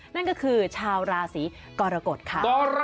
นั่นก็คือชาวราศีกรกฎค่ะ